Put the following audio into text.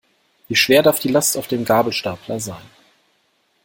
Wie schwer darf die Last auf dem Gabelstapler sein?